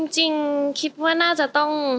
จริงคิดว่าน่าจะต้อง